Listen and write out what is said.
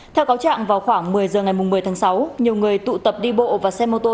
theo cáo trạng vào khoảng một mươi giờ ngày một mươi tháng sáu nhiều người tụ tập đi bộ và xe mô tô